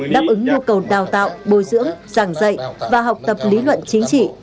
đáp ứng nhu cầu đào tạo bồi dưỡng giảng dạy và học tập lý luận chính trị